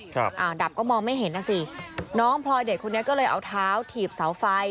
อ่าดับก็มองไม่เห็นน่ะสิน้องพลอยเด็กคนนี้ก็เลยเอาเท้าถีบเสาไฟ